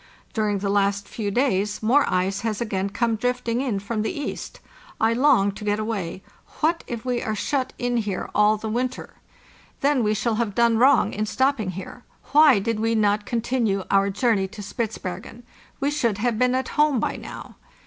During the last few days more ice has again come drifting in from the east. I long to get away. What if we are shut in here all the winter? 570 HPARTHEST NORTH Then we shall have done wrong in stopping here. Why did we not continue our journey to Spitzbergen? We should have been at home by now.